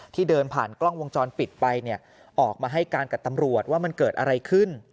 เดินผ่านกล้องวงจรปิดไปเนี่ยออกมาให้การกับตำรวจว่ามันเกิดอะไรขึ้น